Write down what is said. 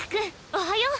おはよう。